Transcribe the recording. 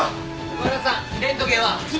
和田さん